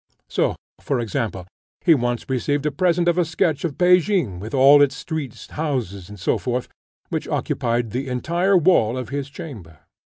So, for example, he once received a present of a sketch of Pekin, with all its streets, houses, &c. which occupied the entire wall of his chamber.